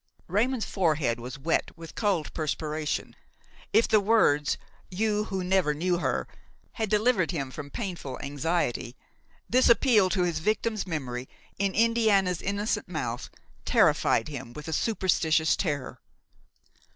Raymon's forehead was wet with cold perspiration. If the words you who never knew her had delivered him from painful anxiety, this appeal to his victim's memory, in Indiana's innocent mouth, terrified him with a superstitious terror.